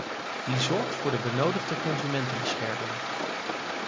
Die zorgt voor de benodigde consumentenbescherming.